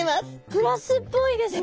プラスっぽいですね！